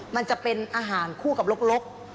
มันจะเป็นอาหารคู่กับลก